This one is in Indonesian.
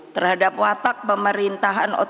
terhadap watak pemerintahan otono